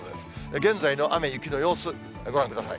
現在の雨、雪の様子、ご覧ください。